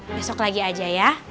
besok lagi aja ya